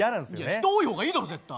人多い方がいいだろ絶対。